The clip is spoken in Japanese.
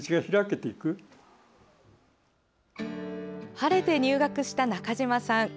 晴れて入学した中島さん。